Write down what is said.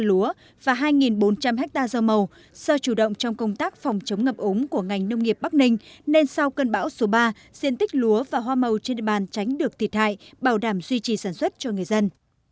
lúa và hai bốn trăm linh ha rau màu do chủ động trong công tác phòng chống ngập ống của ngành nông nghiệp bắc ninh nên sau cơn bão số ba diện tích lúa và hoa màu trên địa bàn tránh được thiệt hại bảo đảm duy trì sản xuất cho người dân